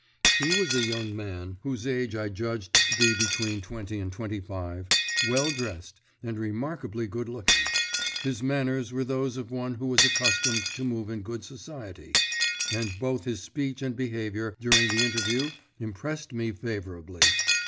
He was a young man, whose age I judged to be between twenty and twenty five, well dressed, and remarkably good looking. His manners were those of one who was accustomed to move in good society, and both his speech and behaviour during the interview impressed me favourably.